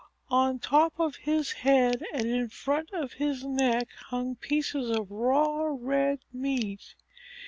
"On top of his head and in front of his neck hung pieces of raw red meat.